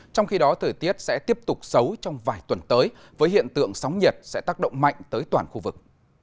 trong khi đó thời tiết sẽ tiếp tục xấu trong vài tuần tới với hiện tượng sóng nhiệt sẽ tác động mạnh tới toàn khu vực